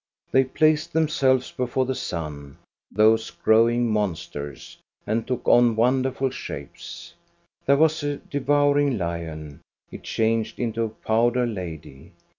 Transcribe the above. They placed themselves before the sun, those grow ing monsters, and took on wonderful shapes. There was a devouring lion; it changed into a powdered lady.